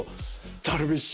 ダルビッシュ？